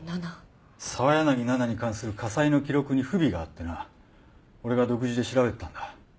澤柳菜々に関する家裁の記録に不備があってな俺が独自で調べてたんだ。